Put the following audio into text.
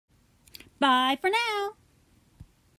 Bye for now!